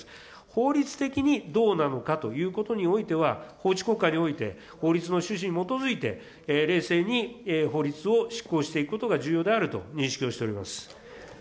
法律的にどうなのかということにおいては、法治国家において、法律の趣旨に基づいて、冷静に法律を執行していくことが重要であると認識をしております。